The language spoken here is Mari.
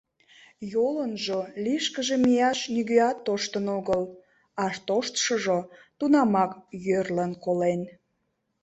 Йолынжо лишкыже мияш нигӧат тоштын огыл, а тоштшыжо тунамак йӧрлын колен.